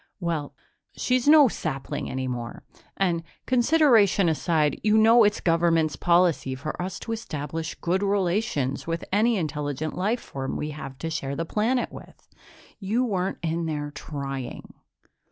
"Well, she's no sapling any more. And, consideration aside, you know it's government's policy for us to establish good relations with any intelligent life form we have to share a planet with. You weren't in there trying."